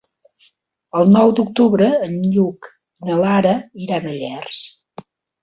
El nou d'octubre en Lluc i na Lara iran a Llers.